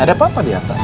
ada papa di atas